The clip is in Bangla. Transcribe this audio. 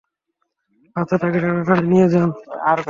আচ্ছা, তাকে তাড়াতাড়ি নিয়ে যান।